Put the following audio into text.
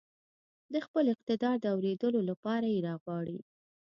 د خپل اقتدار د اوږدېدو لپاره يې راغواړي.